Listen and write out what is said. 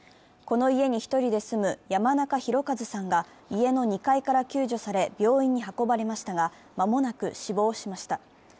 この家に１人で住む山中宏一さんが家の２階から救助され、病院に運ばれましたが間もなく死亡しました。